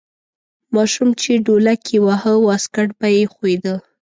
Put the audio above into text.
ماشوم چې ډولک یې واهه واسکټ به یې ښویده.